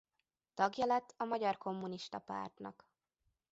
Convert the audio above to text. Tagja lett a Magyar Kommunista Pártnak.